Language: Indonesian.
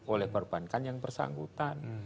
oleh perbankan yang bersangkutan